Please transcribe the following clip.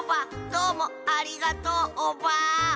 どうもありがとうオバ。